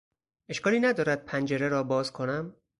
اشکالی ندارد پنجره را باز کنم؟